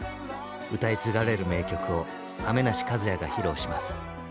歌い継がれる名曲を亀梨和也が披露します。